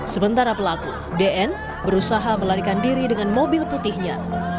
sementara pelaku dn berusaha melarikan diri dengan mobil putihnya